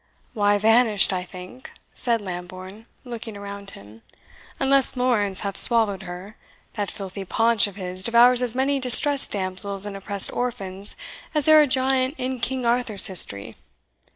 "Why, vanished, I think," said Lambourne, looking around him, "unless Lawrence hath swallowed her, That filthy paunch of his devours as many distressed damsels and oppressed orphans as e'er a giant in King Arthur's history.